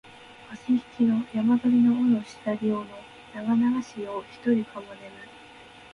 あしひきの山鳥の尾のしだり尾のながながし夜をひとりかも寝む